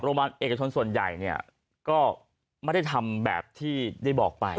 โรงพยาบาลเอกชนส่วนใหญ่เนี่ยก็ไม่ได้ทำแบบที่ได้บอกไป